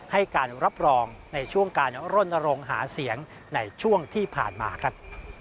ให้การรับรองในช่วงการรณรงค์หาเสียงในช่วงที่ผ่านมาครับ